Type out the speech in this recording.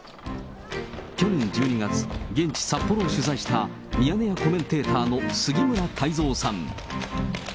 去年１２月、現地、札幌を取材した、ミヤネ屋コメンテーターの杉村太蔵さん。